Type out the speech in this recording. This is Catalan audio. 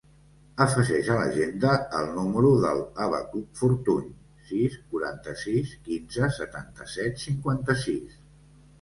Afegeix a l'agenda el número del Abacuc Fortuny: sis, quaranta-sis, quinze, setanta-set, cinquanta-sis.